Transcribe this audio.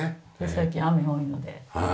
最近雨が多いので。